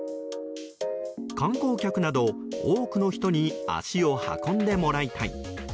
観光客など、多くの人に足を運んでもらいたい。